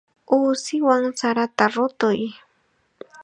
Uusiwan sarata rutuy.